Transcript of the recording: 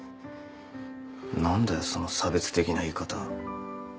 何だよその差別的な言い方。